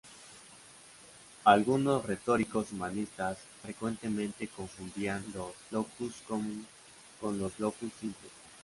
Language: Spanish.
Algunos retóricos humanistas frecuentemente confundían los "locus communis" con los "locus simples".